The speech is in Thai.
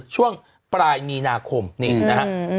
ช่วงปลายมีนาคมนี่นะฮะ